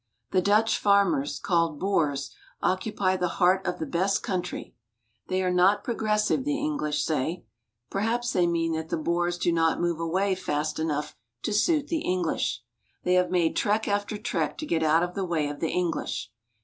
The Dutch farmers, called boers, occupy the heart of the best country. They are not progressive, the English say. Perhaps they mean that the boers do not move away fast enough to suit the English. They have made trek after trek to get out of the way of the English.